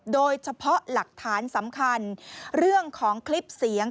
โดยเฉพาะหลักฐานสำคัญเรื่องของคลิปเสียง